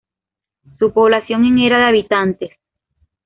Su población en era de habitantes.